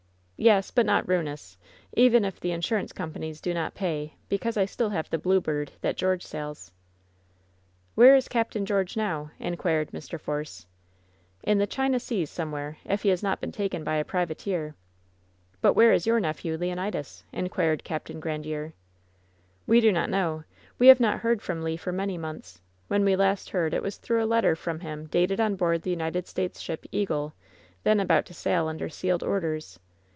"Yes, but not ruinous, even if the insurance compa nies do not pay, because I have still the Blite Bird that George sails." "Where is Capt. George now?" inquired Mr. Force. WHEN SHADOWS DIE 47 *nji the China seas somewhere if he has not been taken hj a privateer. But where is your nephew, Leonidas?" inquired Capt Grandiere. "We do not know. We have not heard from Le for many months. When we last heard it was through a letter from him dated on board the United States ship Eagle, then about to sail under sealed orders.